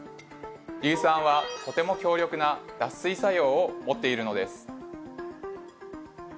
硫酸はとても強力な脱水作用を持っているのです。